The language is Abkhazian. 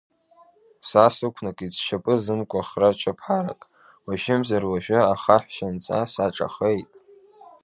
Са сықәнакит сшьапы зымкуа хра чаԥарак, уажәымзар-уажәы ахаҳәшьанҵа саҿахеит.